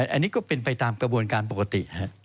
อันนี้ก็เป็นไปตามกระบวนการปกติ